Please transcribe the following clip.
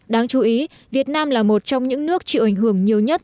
đáng chú ý việt nam là một trong những nước chịu ảnh hưởng nhiều nhất